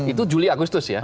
itu juli agustus ya